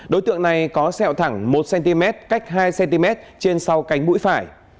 đối tượng này có sẹo thẳng một cm cách hai cm trên sau cánh mũi phải